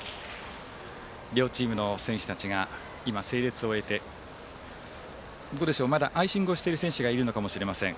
両チームの選手たちが今、整列を終えてまだアイシングをしている選手がいるのかもしれません。